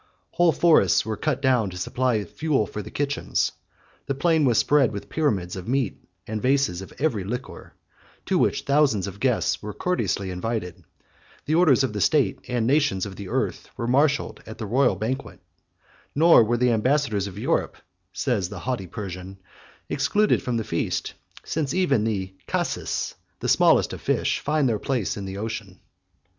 Whole forests were cut down to supply fuel for the kitchens; the plain was spread with pyramids of meat, and vases of every liquor, to which thousands of guests were courteously invited: the orders of the state, and the nations of the earth, were marshalled at the royal banquet; nor were the ambassadors of Europe (says the haughty Persian) excluded from the feast; since even the casses, the smallest of fish, find their place in the ocean.